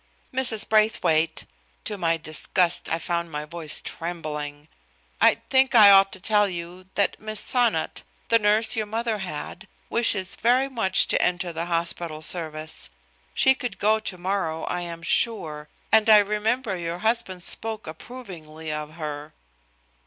"Mrs. Braithwaite" to my disgust I found my voice trembling "I think I ought to tell you that Miss Sonnot, the nurse your mother had, wishes very much to enter the hospital service. She could go tomorrow, I am sure. And I remember your husband spoke approvingly of her."